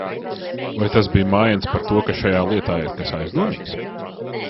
Vai tas bija mājiens par to, ka šajā lietā ir kas aizdomīgs?